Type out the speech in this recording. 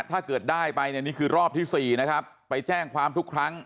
ถ้าเกิดได้ไปเนี่ยนี่คือรอบที่๔นะครับไปแจ้งความทุกครั้ง